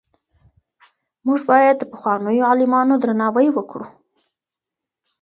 موږ باید د پخوانیو عالمانو درناوی وکړو.